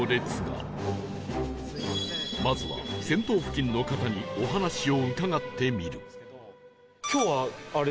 まずは先頭付近の方にお話を伺ってみる